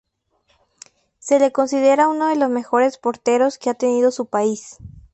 Se le considera uno de los mejores porteros que ha tenido su país.